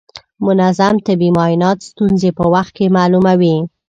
منظم طبي معاینات ستونزې په وخت کې معلوموي.